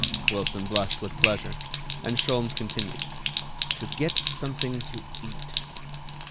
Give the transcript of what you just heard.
Wilson blushed with pleasure, and Sholmes continued: "To get something to eat.